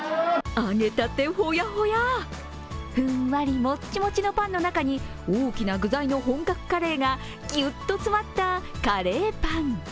揚げたてほやほや、ふんわりもっちもちのパンの中に大きな具材の本格カレーがぎゅっと詰まったカレーパン。